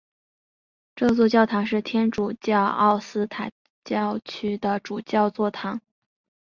这座教堂是天主教奥斯塔教区的主教座堂。